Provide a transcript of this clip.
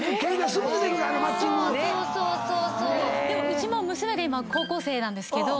うちも娘が今高校生なんですけど。